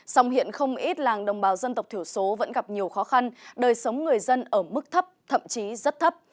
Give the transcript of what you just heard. sông hiện không ít làng đồng bào dân tộc thiểu số vẫn gặp nhiều khó khăn đời sống người dân ở mức thấp thậm chí rất thấp